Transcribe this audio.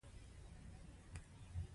دیکتاتوري د یو خوځښت لخوا ملاتړ کیږي.